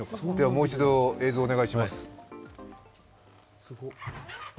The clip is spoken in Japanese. もう一度、映像お願いします。